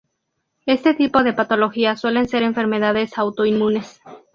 Este tipo de patologías suelen ser enfermedades autoinmunes.